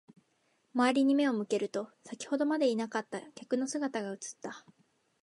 周りに目を向けると、先ほどまでいなかった客の姿が映った。